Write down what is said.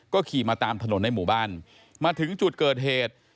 ขี่มาตามถนนในหมู่บ้านมาถึงจุดเกิดเหตุ